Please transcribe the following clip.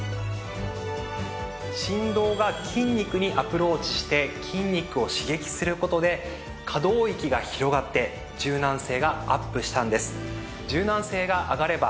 振動が筋肉にアプローチして筋肉を刺激する事で可動域が広がって柔軟性がアップしたんです。